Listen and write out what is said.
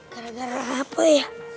gara gara apa ya